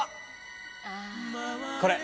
これ！